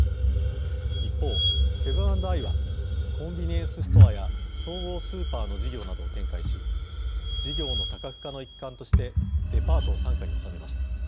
一方セブン＆アイはコンビニエンスストアや総合スーパーの事業などを展開し事業の多角化の一環としてデパートを傘下に収めました。